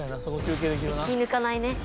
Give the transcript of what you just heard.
気ぬかないね。